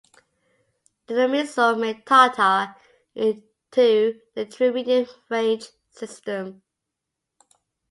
The new missile made Tartar into a true medium ranged system.